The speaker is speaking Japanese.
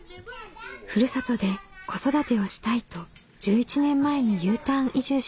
ふるさとで子育てをしたいと１１年前にＵターン移住しました。